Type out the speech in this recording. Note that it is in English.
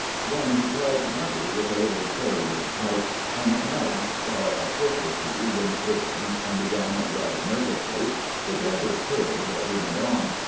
Then he tried Nubby with a little cherry wood pipe, and Nubbs thought a whiff or two wouldn't hurt him and began rather nervously, but gathered courage as he went on.